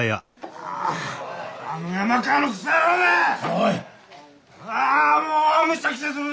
ああもうむしゃくしゃするぜ！